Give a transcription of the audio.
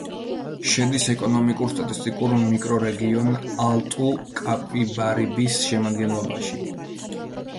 შედის ეკონომიკურ-სტატისტიკურ მიკრორეგიონ ალტუ-კაპიბარიბის შემადგენლობაში.